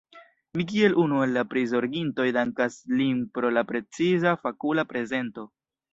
Mi kiel unu el la prizorgintoj dankas lin pro la preciza, fakula prezento.